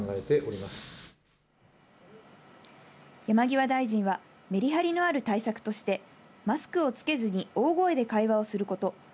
山際大臣はメリハリのある対策として、マスクをつけずに大声で会話をすること。